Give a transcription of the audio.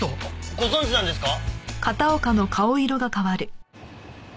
ご存じなんですか？